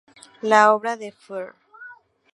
La obra de Fr.